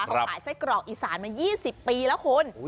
เขาขายไส้กรอกอีสานมา๒๐ปีแล้วคุณ